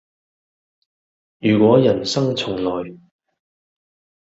如果人生重來